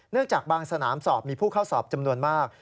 จากบางสนามสอบมีผู้เข้าสอบจำนวนมาก